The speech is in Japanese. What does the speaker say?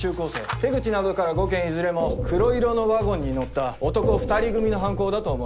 手口などから５件いずれも黒色のワゴンに乗った男２人組の犯行だと思われます。